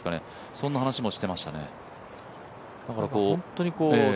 そんな話もしてましたね。